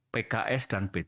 pks dan p tiga